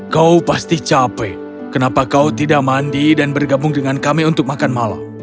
kau pasti capek kenapa kau tidak mandi dan bergabung dengan kami untuk makan malam